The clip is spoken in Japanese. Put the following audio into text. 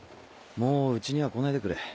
もううちには来ないでくれ。